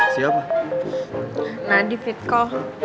siapa nadiv itko